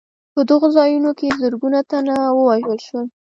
په دغو ځایونو کې زرګونه تنه ووژل شول.